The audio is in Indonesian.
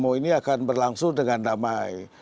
bahwa ini akan berlangsung dengan damai